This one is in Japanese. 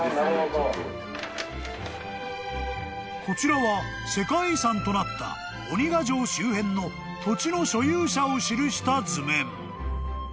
［こちらは世界遺産となった鬼ヶ城周辺の土地の所有者を記した図面］